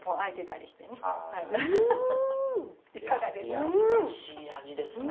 優しい味ですね。